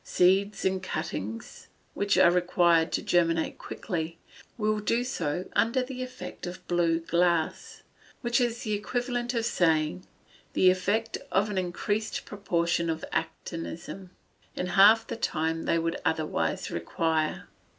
Seeds and cuttings, which are required to germinate quickly, will do so under the effect of blue glass (which is equivalent to saying, the effect of an increased proportion of actinism), in half the time they would otherwise require.